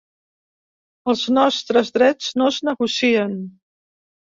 Els nostres drets no es negocien.